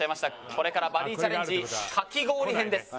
これからバディチャレンジかき氷編です。